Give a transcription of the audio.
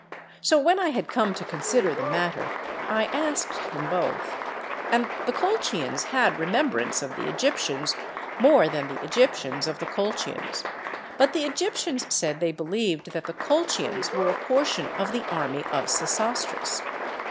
So when I had come to consider the matter I asked them both; and the Colchians had remembrance of the Egyptians more than the Egyptians of the Colchians; but the Egyptians said they believed that the Colchians were a portion of the army of Sesostris.